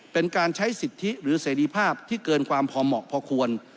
เป็นการใช้สิทธิหรือเสรีภาพที่เกินความพอเหมาะพอควร